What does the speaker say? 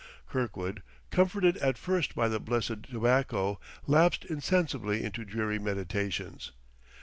Kirkwood, comforted at first by the blessed tobacco, lapsed insensibly into dreary meditations.